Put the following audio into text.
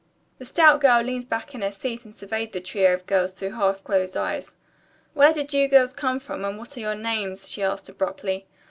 The stout girl leaned back in her seat and surveyed the trio of girls through half closed eyes. "Where did you girls come from and what are your names?" she asked abruptly.